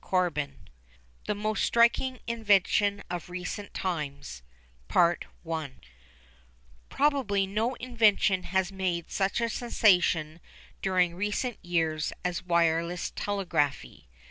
CHAPTER XII THE MOST STRIKING INVENTION OF RECENT TIMES Probably no invention has made such a sensation during recent years as wireless telegraphy.